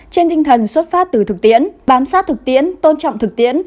trên tinh thần xuất phát từ thực tiễn bám sát thực tiễn tôn trọng thực tiễn